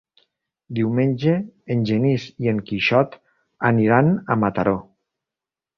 Diumenge en Genís i en Quixot aniran a Mataró.